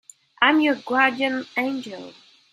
I'm your guardian angel.